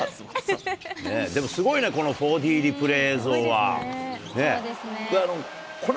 でもすごいね、この４Ｄリプレイ映像は。